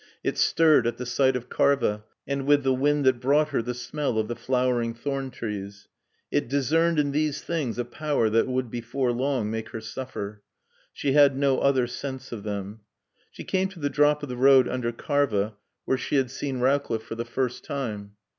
It stirred at the sight of Karva and with the wind that brought her the smell of the flowering thorn trees. It discerned in these things a power that would before long make her suffer. She had no other sense of them. She came to the drop of the road under Karva where she had seen Rowcliffe for the first time.